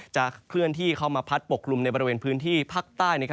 เคลื่อนที่เข้ามาพัดปกกลุ่มในบริเวณพื้นที่ภาคใต้